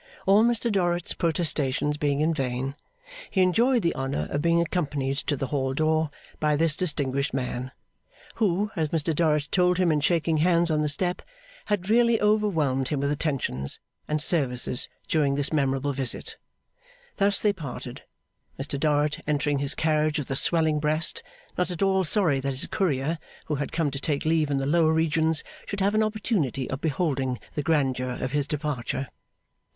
All Mr Dorrit's protestations being in vain, he enjoyed the honour of being accompanied to the hall door by this distinguished man, who (as Mr Dorrit told him in shaking hands on the step) had really overwhelmed him with attentions and services during this memorable visit. Thus they parted; Mr Dorrit entering his carriage with a swelling breast, not at all sorry that his Courier, who had come to take leave in the lower regions, should have an opportunity of beholding the grandeur of his departure.